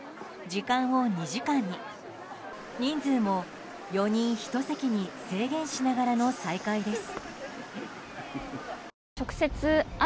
時間を２時間に人数も４人１席に制限しながらの再開です。